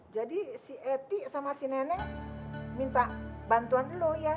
jadi si eti sama si neneng minta bantuan lo ya